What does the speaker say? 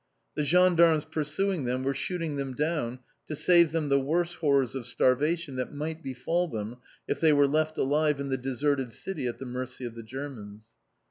The gendarmes pursuing them were shooting them down to save them the worse horrors of starvation that might befall them if they were left alive in the deserted city at the mercy of the Germans.